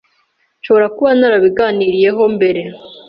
Nshobora kuba narabiganiriyeho mbere.